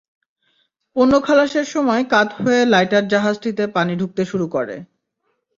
পণ্য খালাসের সময় কাত হয়ে লাইটার জাহাজটিতে পানি ঢুকতে শুরু করে।